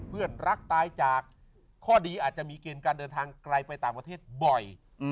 เพื่อนรักตายจากข้อดีอาจจะมีเกณฑ์การเดินทางไกลไปต่างประเทศบ่อย